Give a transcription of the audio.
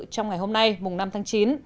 trong ngày hôm nay mùng năm tháng chín